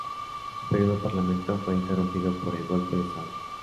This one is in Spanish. Su período parlamentario fue interrumpido por el Golpe de Estado.